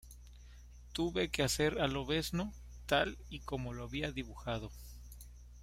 Tuve que hacer a Lobezno tal y como lo había dibujado.